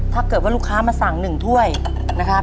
ถ้าเกิดว่าลูกค้ามาสั่ง๑ถ้วยนะครับ